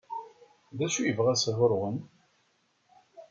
D acu i yebɣa sɣur-wen?